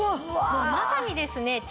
もうまさにですね